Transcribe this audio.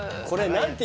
これ